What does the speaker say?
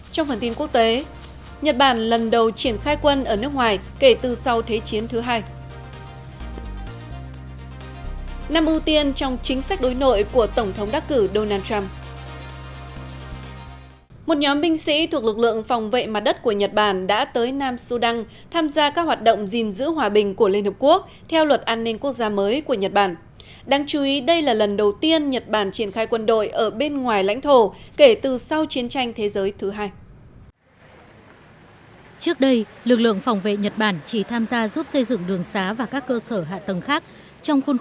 trong phần tin quốc tế nhật bản lần đầu triển khai quân ở nước ngoài kể từ sau thế chiến thứ hai